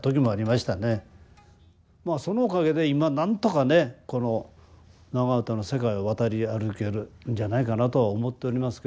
まあそのおかげで今なんとかねこの長唄の世界を渡り歩けるんじゃないかなとは思っておりますけれど。